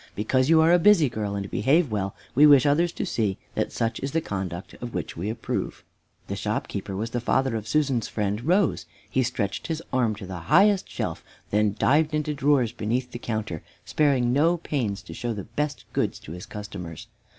"Because you are a busy girl and behave well, we wish others to see that such is the conduct we approve." The shopkeeper was the father of Susan's friend, Rose. He stretched his arm to the highest shelf, then dived into drawers beneath the counter, sparing no pains to show the best goods to his customers.